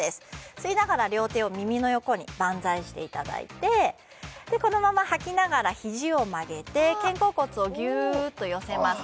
吸いながら両手を耳の横にバンザイしていただいてこのまま吐きながら肘を曲げて肩甲骨をギュッと寄せます